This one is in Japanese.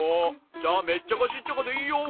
じゃあメッチャカシッチャカでいいよ。